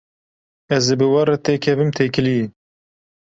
Ez ê bi we re têkevim têkiliyê.